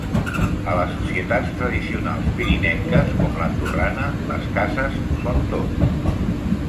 A les societats tradicionals pirinenques, com l’andorrana, les cases ho són tot.